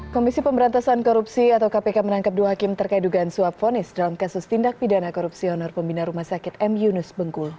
komisi pemberantasan korupsi atau kpk menangkap dua hakim terkait dugaan suap vonis dalam kasus tindak pidana korupsi honor pembina rumah sakit m yunus bengkulu